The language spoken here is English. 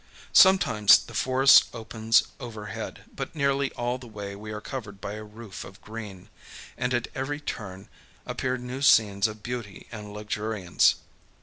Sometimes the forest opens overhead, but nearly all the way we are covered by a roof of green, and at every turn appear new scenes of beauty and luxuriance.